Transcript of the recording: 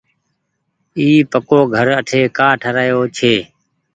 اي پڪوگهر آٺي ڪآ ٺرآيو ڇي۔